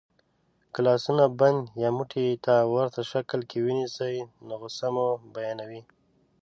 که لاسونه بند یا موټي ته ورته شکل کې ونیسئ نو غسه مو بیانوي.